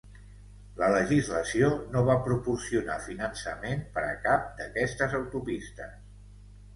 La legislació no va proporcionar finançament per a cap d'aquestes autopistes.